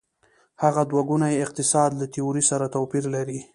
هغه دوه ګونی اقتصاد له تیورۍ سره توپیر لري.